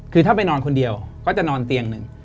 คือถ้าไปนอนคนเดียวก็จะนอนเตียงหนึ่ง